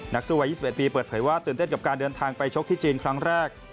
สู้วัย๒๑ปีเปิดเผยว่าตื่นเต้นกับการเดินทางไปชกที่จีนครั้งแรก